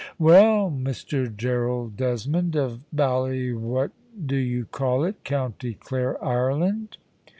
"Well, Mr Gerald Desmond, of Bally what do you call it, County Clare, Ireland?